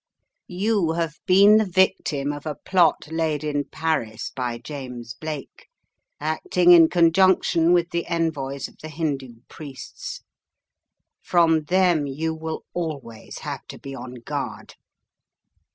"You have been the victim of a plot laid in Paris by James Blake, acting in conjunction with the en voys of the Hindoo priests. From them you will always have to be on guard.